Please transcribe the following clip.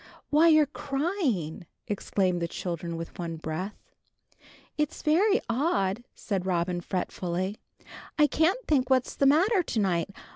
"Why, you're crying!" exclaimed the children with one breath. "It's very odd," said Robin, fretfully. "I can't think what's the matter to night.